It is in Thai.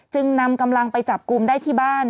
นำกำลังไปจับกลุ่มได้ที่บ้าน